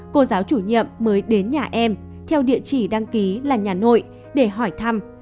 cô giáo chủ nhiệm mới đến nhà em theo địa chỉ đăng ký là nhà nội để hỏi thăm